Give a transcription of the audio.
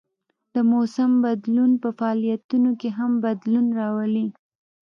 د موسم بدلون په فعالیتونو کې هم بدلون راولي